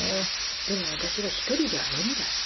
でも私は一人じゃ無理だった。